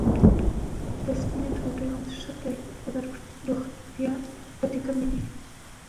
د سپینې ډوډۍ خوند ښه دی، خو روغتیايي ګټې کمې دي.